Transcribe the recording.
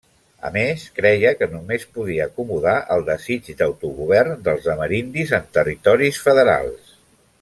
A més, creia que només podia acomodar el desig d'autogovern dels amerindis en territoris federals.